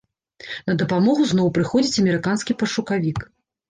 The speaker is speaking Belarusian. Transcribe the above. На дапамогу зноў прыходзіць амерыканскі пашукавік.